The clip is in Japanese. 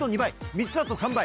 ３つだと３倍！